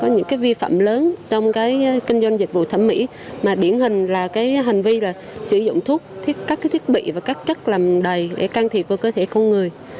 những vi phạm lớn trong kinh doanh dịch vụ thẩm mỹ biển hình là hành vi sử dụng thuốc các thiết bị và các chất làm đầy để can thiệp vào cơ thể con người